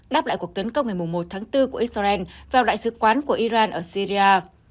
đáp lại cuộc tấn công ngày một tháng bốn của israel vào đại sứ quán của iran ở syria